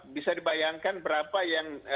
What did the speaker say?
bisa dibayangkan berapa yang